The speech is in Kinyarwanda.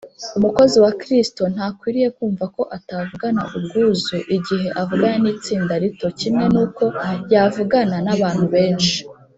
. Umukozi wa Kristo ntakwiriye kumva ko atavugana ubwuzu igihe avugana n’itsinda rito, kimwe n’uko yavugana n’abantu benshi